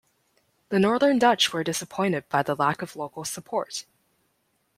The northern Dutch were disappointed by the lack of local support.